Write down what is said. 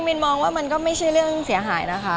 มินมองว่ามันก็ไม่ใช่เรื่องเสียหายนะคะ